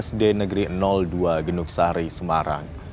sd negeri dua genuksari semarang